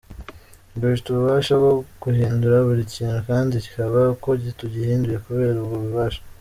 Dufite ububasha bwo guhindura buri kintu kandi kikaba uko tugihinduye kubera ubwo bubasha.